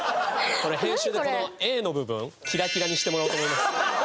これ編集でこのＡの部分キラキラにしてもらおうと思います。